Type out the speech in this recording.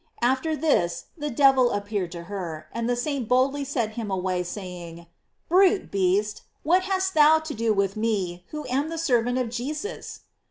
After this the devil appeared to her, and the saint boldly sent him away, saying: "Brute beast, what hast thou to do with me who am the ser vant of Jesus?